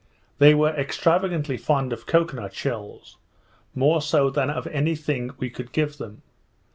They were extravagantly fond of cocoa nut shells, more so than of any thing we could give them.